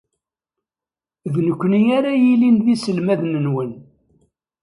D nekkni ara yilin d iselmaden-nwen.